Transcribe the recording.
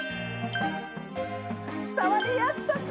伝わりやすさか。